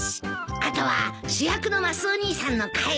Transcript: あとは主役のマスオ兄さんの帰りを待つだけだよ。